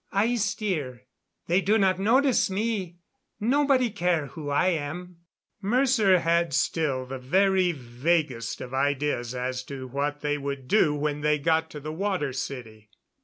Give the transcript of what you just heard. I steer. They do not notice me. Nobody care who I am." Mercer had still the very vaguest of ideas as to what they would do when they got to the Water City.